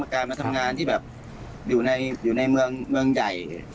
การมาทำงานที่แบบอยู่ในเมืองใหญ่